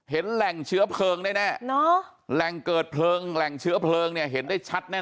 เห็นแหล่งเชื้อเพลิงแน่แหล่งเกิดเพลิงแหล่งเชื้อเพลิงเนี่ยเห็นได้ชัดแน่